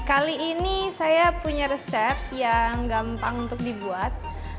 kali ini saya punya resep yang gampang untuk dibuat